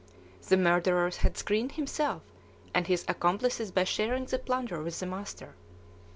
The murderer had screened himself and his accomplices by sharing the plunder with his master.